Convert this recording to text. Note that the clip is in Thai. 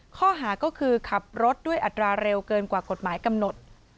ข้อหาก็คือขับรถด้วยอัตราเร็วเกินกว่ากฎหมายกำหนด